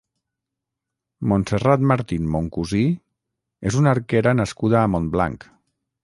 Montserrat Martín Moncusí és una arquera nascuda a Montblanc.